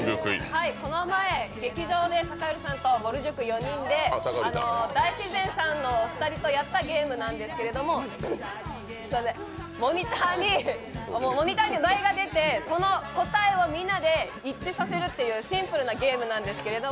この前、劇場で酒寄さんとぼる塾４人で大自然さんのお二人とやったゲームなんですけど、モニターにお題が出て、その答えをみんなで一致させるっていうシンプルなゲームなんですけど